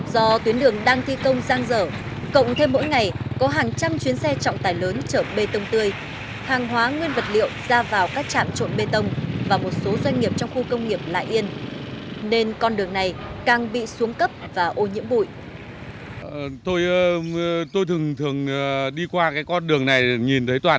do tuyến đường đang thi công gian dở cộng thêm mỗi ngày có hàng trăm chuyến xe trọng tải lớn chở bê tông tươi hàng hóa nguyên vật liệu ra vào các trạm trộn bê tông và một số doanh nghiệp trong khu công nghiệp lại yên